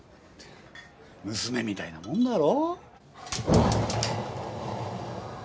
娘みたいなもんだろ？